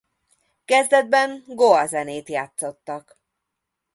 Kezdetben goa zenét játszottak.